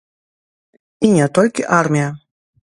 І не толькі армія.